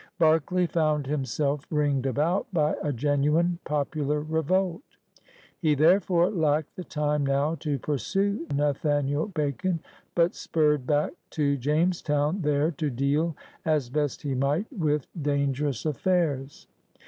Berkeley found himself ringed about by a genuine popular revolt. He therefore lacked the time now to pursue Nathaniel Bacon, but spiured back to Jamestown there to deal as best he might with dangerous affairs.